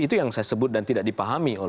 itu yang saya sebut dan tidak dipahami